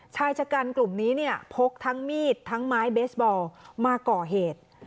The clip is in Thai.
ชายชะกันกลุ่มนี้เนี่ยพกทั้งมีดทั้งไม้เบสบอลมาก่อเหตุ